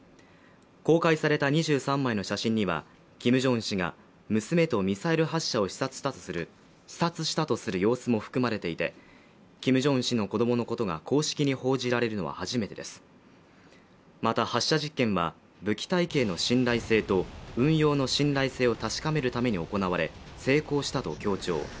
公開された２３枚の写真にはキム・ジョンウン氏が娘とミサイル発射を視察したとする様子も含まれていてキム・ジョンウン氏の子どものことが公式に報じられるのは初めてですまた発射実験は武器体系の信頼性と運用の信頼性を確かめるために行われ成功したと強調